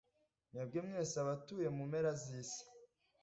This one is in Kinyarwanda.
mwebwe mwese abatuye mu mpera z’isi,